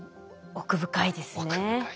奥深いです。